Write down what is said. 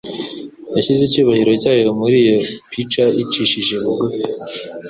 Yashyize icyubahiro cyayo muri iyo pica icishije bugufi,